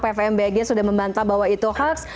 pfmbg sudah membantah bahwa itu hukum